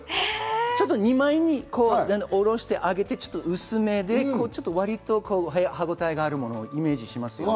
ちょっと２枚におろして揚げて、ちょっと薄めで割と歯ごたえがあるものをイメージしますよね。